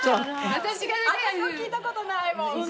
私も聞いた事ないもん。